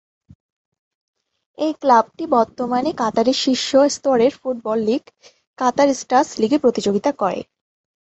এই ক্লাবটি বর্তমানে কাতারের শীর্ষ স্তরের ফুটবল লীগ কাতার স্টার্স লীগে প্রতিযোগিতা করে।